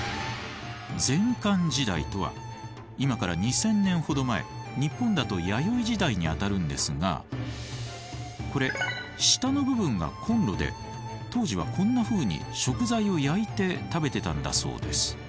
前漢時代とは今から２，０００年ほど前日本だと弥生時代にあたるんですがこれ下の部分がコンロで当時はこんなふうに食材を焼いて食べてたんだそうです。